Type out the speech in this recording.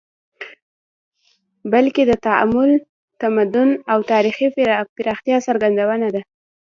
بلکې د تعامل، تمدن او تاریخي پراختیا څرګندونه ده